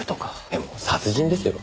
でも殺人ですよ。